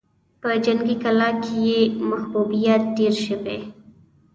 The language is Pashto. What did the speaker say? په جنګي کلا کې يې محبوبيت ډېر شوی و.